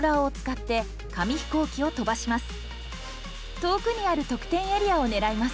遠くにある得点エリアを狙います。